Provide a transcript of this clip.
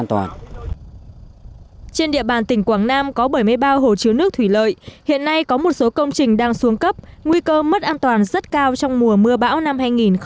đối với an toàn của các công trình người lợi trong mùa mưa bão năm hai nghìn một mươi tám